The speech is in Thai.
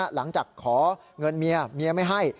หลังจากขอเงินเมียเมียไม่ให้